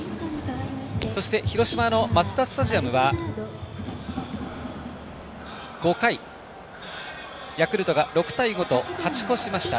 そして広島のマツダスタジアムは５回ヤクルトが６対５と勝ち越しました。